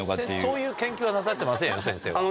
そういう研究はなされてませんよ先生は。